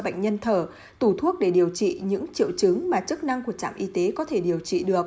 bệnh nhân thở tủ thuốc để điều trị những triệu chứng mà chức năng của trạm y tế có thể điều trị được